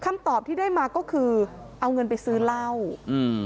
คำตอบที่ได้มาก็คือเอาเงินไปซื้อเหล้าอืม